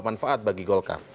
manfaat bagi golkar